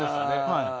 はい。